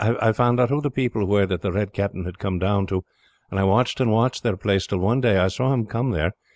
I found out who the people were that the Red Captain had come down to, and I watched and watched their place, till one day I saw him come there.